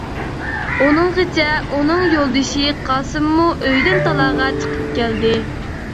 ئۇنىڭغىچە ئۇنىڭ يولدىشى قاسىممۇ ئۆيدىن تالاغا چىقىپ كەلدى.